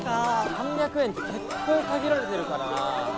３００円って結構限られてるからな。